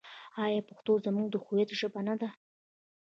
آیا پښتو زموږ د هویت ژبه نه ده؟